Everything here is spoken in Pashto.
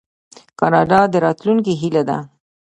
کاناډا د راتلونکي هیله ده.